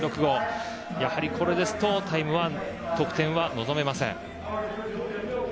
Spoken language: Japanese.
やはりこれですと得点は望めません。